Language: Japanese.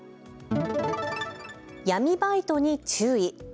闇バイトに注意。